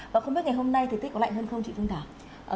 và không biết ngày hôm nay thời tiết có lạnh hơn không chị phương thảo